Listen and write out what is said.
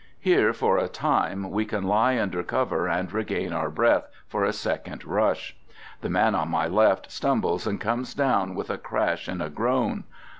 Here, for a time, we can lie under cover and regain our breath for a second rush. The man on my left stumbles and comes down with a crash and a groan.